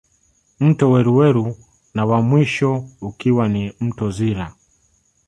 Mto Weruweru na wa mwisho ukiwa ni mto Zira